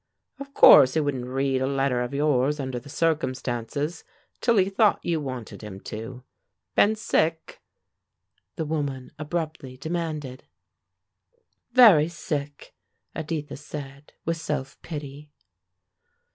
"Of course, he wouldn't read a letter of yours, under the circumstances, till he thought you wanted him to. Been sick?" the woman abruptly demanded. "Very sick," Editha said, with self pity.